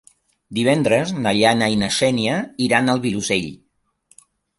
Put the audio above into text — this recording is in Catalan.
Divendres na Jana i na Xènia iran al Vilosell.